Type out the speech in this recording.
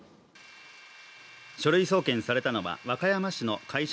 書類送検されたのは和歌山市の会社